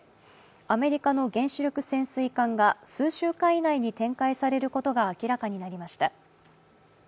アメリカの原子力潜水艦が数週間以内に展開されることが明らかになりました。